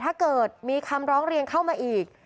ถ้าเกิดมีคำร้องเรียนเข้ามาอีก